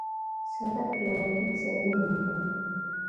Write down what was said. سړک له وطن سره مینه ښيي.